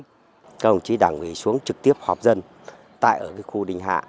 các đồng chí đảng ủy xuống trực tiếp họp dân tại ở khu đình hạ